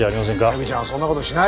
メグちゃんはそんな事しない。